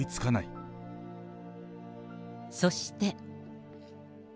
そして。